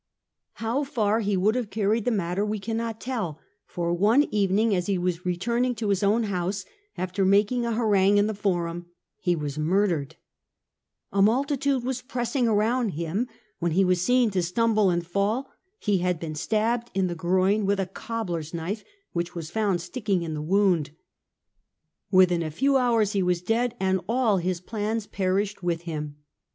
How far he would have carried the matter we cannot tell, for one evening as he was returning to his own house, after making a harangue in the Forum, he was murdered, A multitude was press ing around him, when he was seen to stumble and fall : he had been stabbed in the groin with a cobbler's knife, which was found sticking in the wound. Within a few hours he was dead, and all his plans perished with him.